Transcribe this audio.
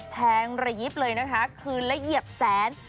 แทงระยิบเลยนะคะคืนละเหยียบแสน